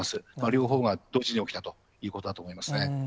両方が同時に起きたということだと思いますね。